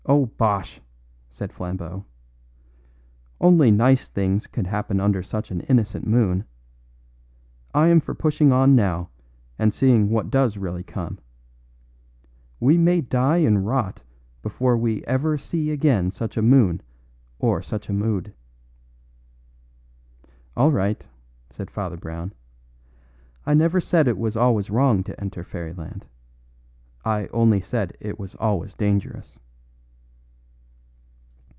"Oh, bosh!" said Flambeau. "Only nice things could happen under such an innocent moon. I am for pushing on now and seeing what does really come. We may die and rot before we ever see again such a moon or such a mood." "All right," said Father Brown. "I never said it was always wrong to enter fairyland. I only said it was always dangerous."